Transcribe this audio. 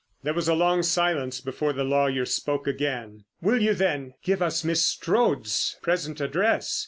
There was a long silence before the lawyer spoke again. "Will you, then, give us Miss Strode's present address?